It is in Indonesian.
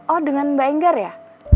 oh dengan mbak enggar ya